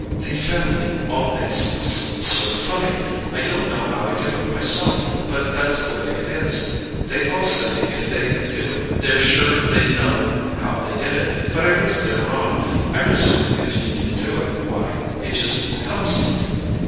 The family all think it's sort of funny I don't know how I do it, myself; but that's the way it is. They all say if they could do it they're sure they'd know how they did it; but I guess they're wrong. I presume if you can do it, why, it just comes to you.